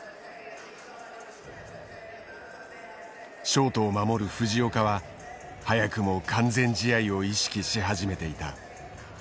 ショートを守る藤岡は早くも完全試合を意識し始めていた。